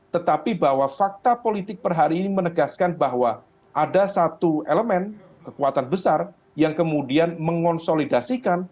tetapi bahwa fakta politik per hari ini menegaskan bahwa ada satu elemen kekuatan besar yang kemudian mengonsolidasikan